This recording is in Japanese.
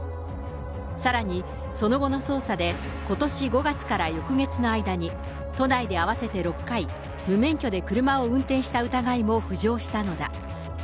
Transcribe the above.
さらに、その後の捜査で、ことし５月から翌月の間に都内で合わせて６回、無免許で車を運転した疑いも浮上したのだ。